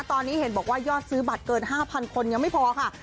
ตอนนี้เห็นบอกว่ายอดซื้อบัตรเกิน๕๐๐คนยังไม่พอค่ะ